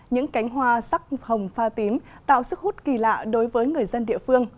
những cánh hoa sắc hồng pha tím tạo sức hút kỳ lạ đối với người dân địa phương